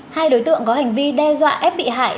hai đối tượng có hành vi đe dọa ép bị hại